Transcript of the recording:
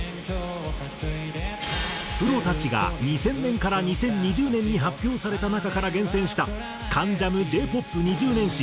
プロたちが２０００年から２０２０年に発表された中から厳選した関ジャムＪ−ＰＯＰ２０年史